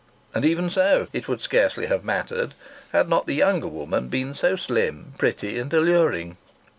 And even so, it would scarcely have mattered had not the younger woman been so slim, pretty and alluring.